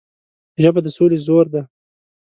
ژبه د سولې زور ده